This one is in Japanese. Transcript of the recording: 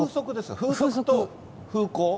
風速と風向。